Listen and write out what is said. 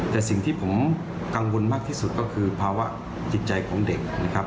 แต่สิ่งที่ผมกังวลมากที่สุดก็คือภาวะจิตใจของเด็กนะครับ